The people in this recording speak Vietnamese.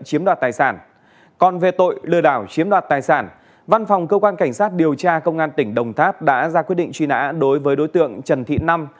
sau khi bàn giao chiếm đoạt tài sản văn phòng cơ quan cảnh sát điều tra công an tỉnh đồng tháp đã ra quyết định truy nã đối với đối tượng trần thị năm